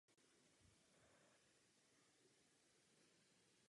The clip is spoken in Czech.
Křižník byl potopen na mělké vodě a částečně se převrátil.